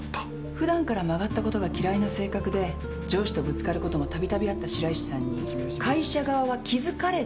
ふだんから曲がったことが嫌いな性格で上司とぶつかることも度々あった白石さんに会社側は気づかれたと思ったのね。